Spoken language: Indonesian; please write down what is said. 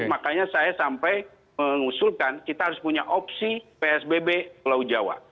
makanya saya sampai mengusulkan kita harus punya opsi psbb pulau jawa